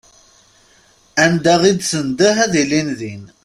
Anda i d-tendeh ad ilin din.